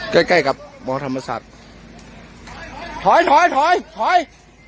ใกล้กับหมอธรรมศาสตร์ถอยถอยถอยถอย